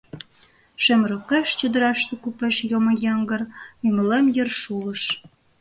Шем рокеш, чодыраште я купеш Йомо йыҥгыр, ӱмылем йыр шулыш.